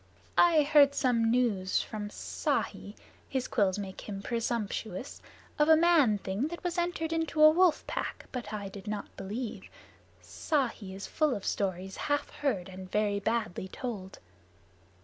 "I heard some news from Ikki (his quills make him presumptuous) of a man thing that was entered into a wolf pack, but I did not believe. Ikki is full of stories half heard and very badly told."